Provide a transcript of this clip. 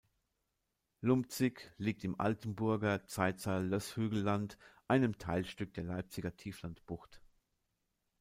Lumpzig liegt im "Altenburger-Zeitzer-Lösshügelland", einem Teilstück der Leipziger Tieflandbucht.